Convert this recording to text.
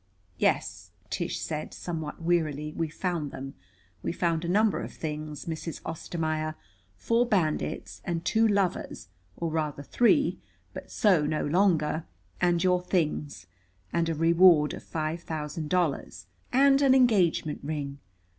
"Yes," Tish said somewhat wearily, "we found them. We found a number of things, Mrs. Ostermaier, four bandits, and two lovers, or rather three, but so no longer, and your things, and a reward of five thousand dollars, and an engagement ring.